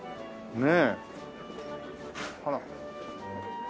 ねえ。